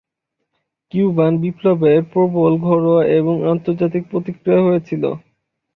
Cuban বিপ্লবের প্রবল ঘরোয়া এবং আন্তর্জাতিক প্রতিক্রিয়া হয়েছিল।